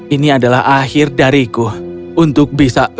ini adalah akhir dariku untuk bisa